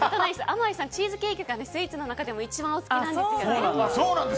あまいさんはチーズケーキがスイーツの中でも一番お好きなんですよね。